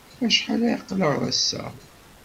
Acḥal ay aql-aɣ ass-a?